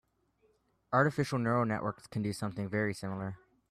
Artificial neural networks can do something very similar.